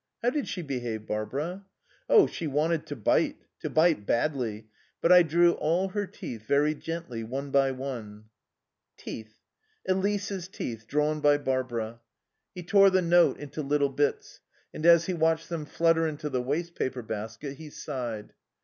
"How did she behave, Barbara?" "Oh she wanted to bite to bite badly; but I drew all her teeth, very gently, one by one." Teeth. Elise's teeth drawn by Barbara. He tore the note into little bits, and, as he watched them flutter into the waste paper basket, he sighed.